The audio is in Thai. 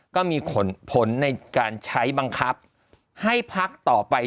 ก็มีผลในการใช้บังคับให้พักต่อไป